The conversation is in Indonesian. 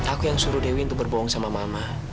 aku yang suruh dewi untuk berbohong sama mama